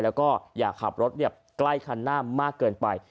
แล้วก็อย่าขับรถใกล้คันหน้ามากเกินไป